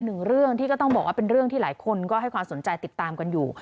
หนึ่งเรื่องที่ก็ต้องบอกว่าเป็นเรื่องที่หลายคนก็ให้ความสนใจติดตามกันอยู่